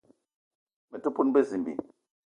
Me te poun bezimbi